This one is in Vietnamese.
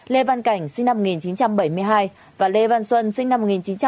lê văn cảnh sinh năm một nghìn chín trăm bảy mươi hai và lê văn xuân sinh năm một nghìn chín trăm tám mươi